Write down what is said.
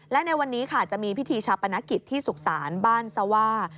และในวันนี้ค่ะจะมีพิธีชาปนกิจที่สุขศาลบ้านสว่า